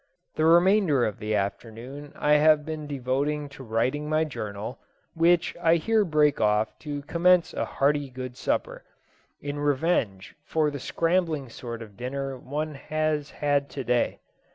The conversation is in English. The remainder of the afternoon I have been devoting to writing my journal, which I here break off to commence a hearty good supper, in revenge for the scrambling sort of dinner one has had to day.